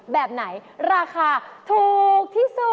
แบบไหนราคาถูกที่สุด